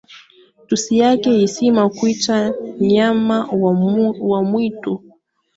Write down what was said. Mtu si yake hisima, kuitwa nyama wa mwitu.